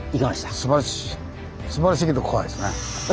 すばらしいけど怖いですね。